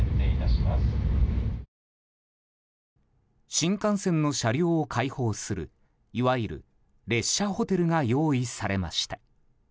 新幹線の車両を開放するいわゆる列車ホテルが用意されました。